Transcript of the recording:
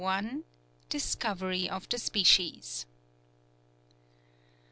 DISCOVERY OF THE SPECIES.